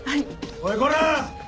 おいこら！